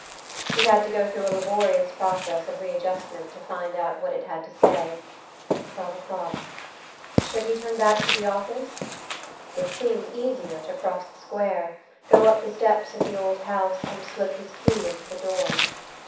He had to go through a laborious process of readjustment to find out what it had to say.... Twelve o'clock.... Should he turn back to the office? It seemed easier to cross the square, go up the steps of the old house and slip his key into the door....